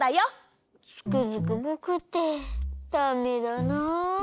つくづくぼくってダメだな。